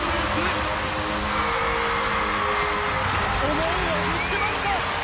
思いをぶつけました！